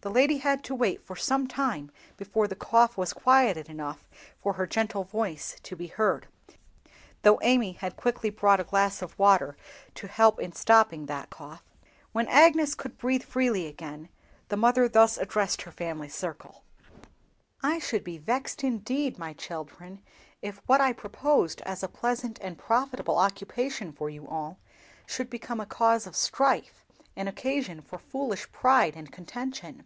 The lady had to wait for some time before the cough was quieted enough for her gentle voice to be heard, though Amy had quickly brought a glass of water to help in stopping that cough. When Agnes could breathe freely again, the mother thus addressed her family circle:— "I should be vexed indeed, my children, if what I proposed as a pleasant and profitable occupation for you all, should become a cause of strife, an occasion for foolish pride and contention.